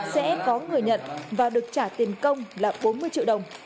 sẽ có người nhận và được trả tiền công là bốn mươi triệu đồng